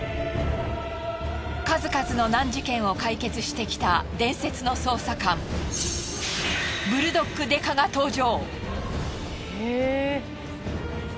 数々の難事件を解決してきた伝説の捜査官ブルドッグ刑事が登場！